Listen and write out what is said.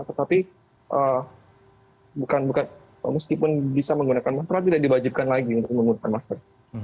tetapi meskipun bisa menggunakan masker tidak diwajibkan lagi untuk menggunakan masker